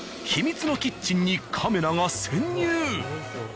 秘密のキッチンにカメラが潜入。